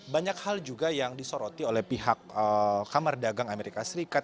banyak hal juga yang disoroti oleh pihak kamar dagang amerika serikat